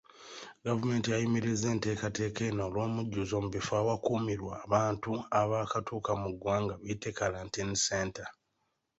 Gavumenti yayimiriza enteekateeka eno olw'omujjuzo mubifo awakuumirwa abantu abaakatuuka mu ggwanga biyite kalantiini centre.